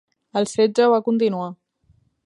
El setge va continuar.